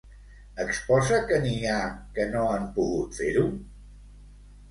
Exposa que n'hi ha que no han pogut fer-ho?